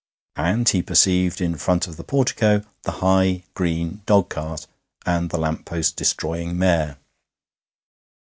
And he perceived in front of the portico the high, green dogcart and the lamp post destroying mare.